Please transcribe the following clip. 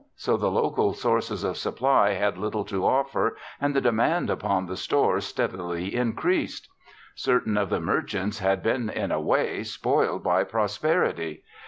So the local sources of supply had little to offer and the demand upon the stores steadily increased. Certain of the merchants had been, in a way, spoiled by prosperity.